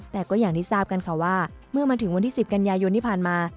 แต่ก็อย่างที่ทราบกันค่ะว่าเมื่อมาถึงวันที่๑๐กันยายนที่ผ่านมา